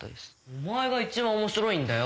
お前が一番面白いんだよ。